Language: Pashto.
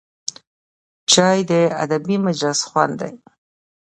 چای د ادبي مجلس خوند دی